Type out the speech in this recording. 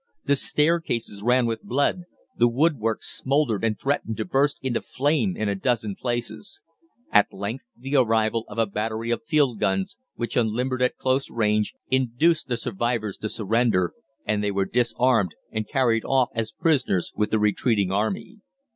The staircases ran with blood, the woodwork smouldered and threatened to burst into flame in a dozen places. At length the arrival of a battery of field guns, which unlimbered at close range, induced the survivors to surrender, and they were disarmed and carried off as prisoners with the retreating army.